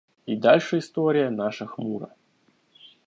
И дальше история наша хмура.